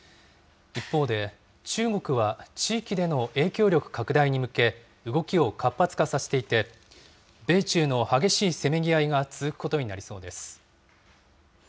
一方で、中国は地域での影響力拡大に向け、動きを活発化させていて、米中の激しいせめぎ合いが続くことになりそうです。